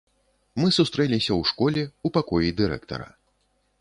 Мы сустрэліся ў школе, у пакоі дырэктара.